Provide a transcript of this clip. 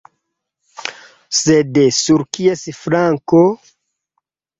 Sed sur kies flanko?